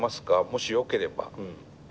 もしよければ。